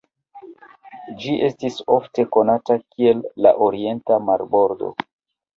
Ĝi estis ofte konata kiel la "orienta marbordo".